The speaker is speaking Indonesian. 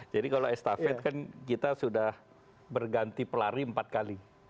jadi kalau estafet kan kita sudah berganti pelari empat kali